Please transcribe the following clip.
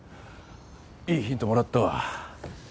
いいヒントもらったわ。